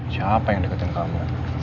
siapa yang deketin kamu